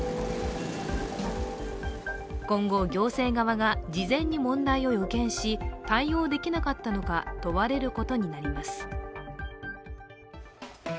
今後、行政側が事前に問題を予見し対応できなかったのか、問われることになります。